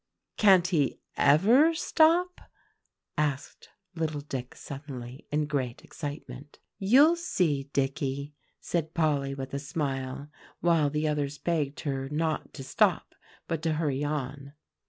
"Can't he ever stop?" asked little Dick suddenly, in great excitement. "You'll see, Dicky," said Polly with a smile, while the others begged her not to stop but to hurry on.